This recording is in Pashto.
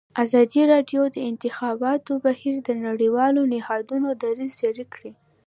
ازادي راډیو د د انتخاباتو بهیر د نړیوالو نهادونو دریځ شریک کړی.